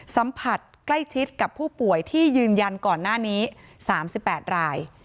สัมผัสใกล้ชิดกับผู้ป่วยที่ยืนยันก่อนหน้านี้๓๘ราย